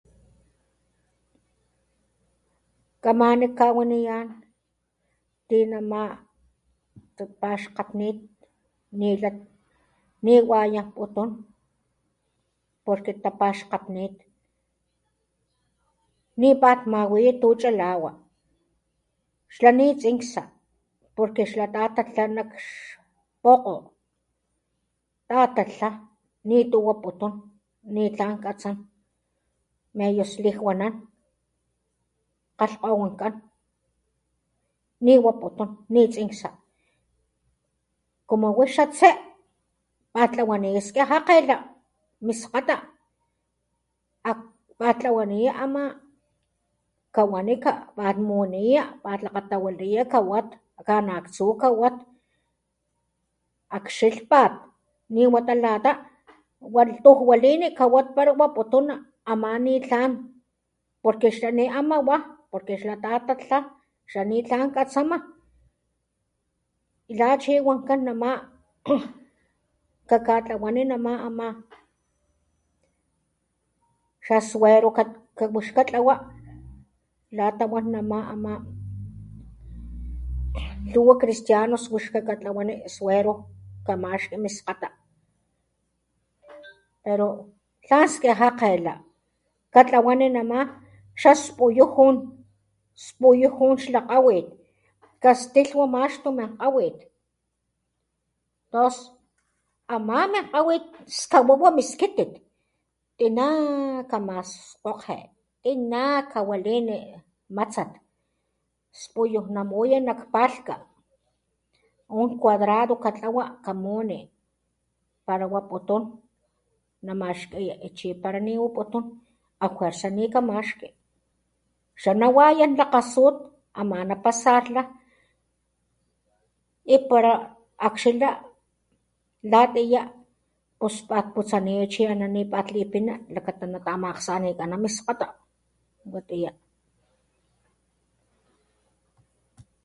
Kamani kawaniyan ti nama tapaxkgatnit nila niwayanputun porque tapaxkgatnit ni pat mawiya tu cha'lawa xla ni tsinksa porque xla tatatla nakx xpokgo tatatla nitu waputun ni tlan katsan medio slijwanan kgalhkgowankan niwaputun ni tsinksa como wix xa tse pat tlawaniya skija kgela mis skgata ak pat tlawaniya ama kawani ka pat muniya pat lakgatawilawa kawat kanaktsu kawat akxilhpat ni wata lata wa lhtuj walini kawat pala waputuna ama ni tlan porque xla ni ama wa porque xla tatatla xla ni tlan katsama la chi wankan nama, kakatlawani nama ama xa suero ka wix katlawa lata wan nama ama lhuwa cristianos wix kakatlawani suero kamaxki miskgata pero tlan skijakgela katlawani nama xaspuyujun, spuyujun xla kgawit kastilhwa maxtu min kgawit tos ama min kgawit skawawa min skitit tina kamaskgokge, tina kawalini matsat spuyuj namuya nak palhka un cuadrado katlawa kamuni pala waputun namaxkiya y chi pala niwaputun a fuerza nikamaxki xa nawayan lakgasut ama napasalhla y para akxila latiya pus pat putsaniya chi ana ni pat nalipina xlakata natamakgsanikana miskgata. Watiya.